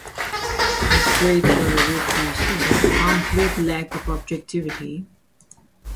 His greater weakness is a complete lack of objectivity.